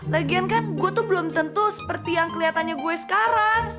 legean kan gue tuh belum tentu seperti yang kelihatannya gue sekarang